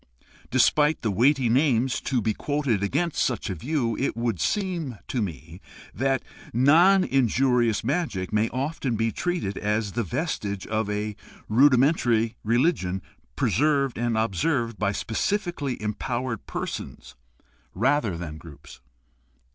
Despite the weighty names to be quoted against such a view, it would seem to me that non injurious magic may often be treated as the vestige of a rudimentary religion preserved and observed by specially empowered persons rather than by groups.